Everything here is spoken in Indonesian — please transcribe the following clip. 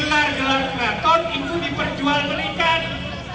saya ini bukan ini